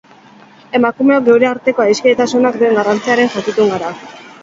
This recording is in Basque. Emakumeok geure arteko adiskidetasunak duen garrantziaren jakitun gara.